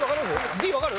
Ｄわかる？